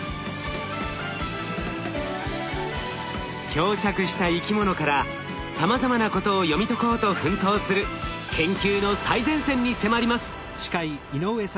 漂着した生き物からさまざまなことを読み解こうと奮闘する研究の最前線に迫ります。